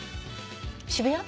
渋谷？